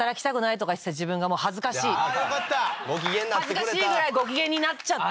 恥ずかしいぐらいごきげんになっちゃった。